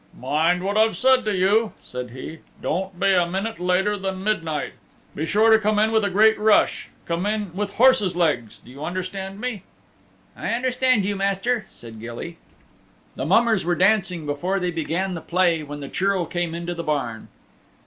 "Mind what I've said to you," said he. "Don't be a minute later than midnight. Be sure to come in with a great rash come in with horse's legs do you understand me?" "I understand you, Master," said Gilly. The mummers were dancing before they began the play when the Churl came into the barn.